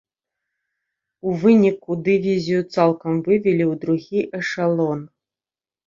У выніку, дывізію цалкам вывелі ў другі эшалон.